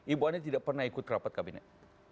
ibu ani tidak pernah ikut rapat kabinet